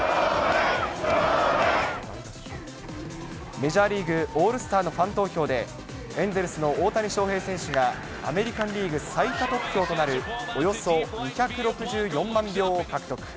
メジャーリーグオールスターのファン投票で、エンゼルスの大谷翔平選手がアメリカンリーグ最多得票となる、およそ２６４万票を獲得。